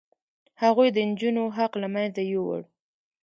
هغوی د نجونو حق له منځه یووړ.